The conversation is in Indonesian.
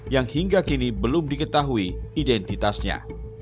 yang hingga kini belum diketahui identitasnya